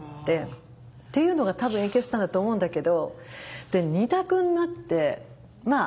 っていうのが多分影響したんだと思うんだけど。